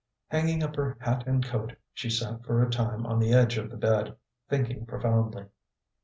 Hanging up her hat and coat, she sat for a time on the edge of the bed, thinking profoundly.